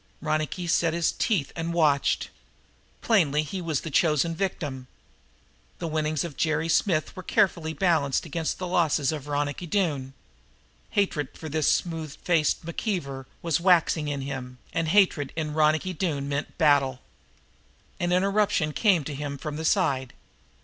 Ronicky set his teeth and watched. Plainly he was the chosen victim. The winnings of Jerry Smith were carefully balanced against the losses of Ronicky Doone. Hatred for this smooth faced McKeever was waxing in him, and hatred in Ronicky Doone meant battle. An interruption came to him from the side.